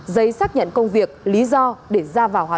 giấy xác nhận công việc lý do để ra vào hà nội